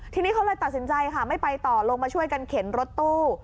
ทีนี้เขาเลยตัดสินใจค่ะไม่ไปต่อลงมาช่วยกันเข็นรถตู้